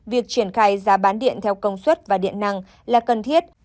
việc triển khai giá bán điện theo công suất và điện năng là cần thiết